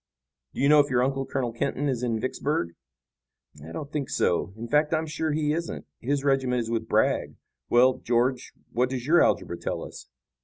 "Do you know if your uncle, Colonel Kenton, is in Vicksburg?" "I don't think so. In fact, I'm sure he isn't. His regiment is with Bragg. Well, George, what does your algebra tell us?"